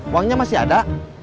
uangnya masih ada